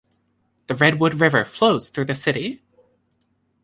The Redwood River flows through the city.